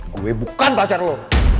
gue bukan pacar lo